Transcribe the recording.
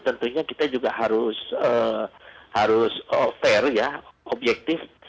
tentunya kita juga harus fair ya objektif